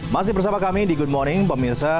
masih bersama kami di good morning pemirsa